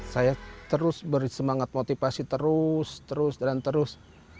saya terus bersemangat motivasi terus terus dan terus